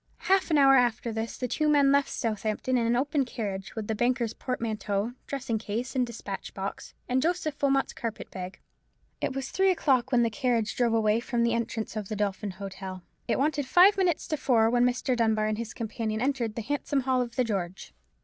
Half an hour after this the two men left Southampton in an open carriage, with the banker's portmanteau, dressing case, and despatch box, and Joseph Wilmot's carpet bag. It was three o'clock when the carriage drove away from the entrance of the Dolphin Hotel: it wanted five minutes to four when Mr. Dunbar and his companion entered the handsome hall of the George.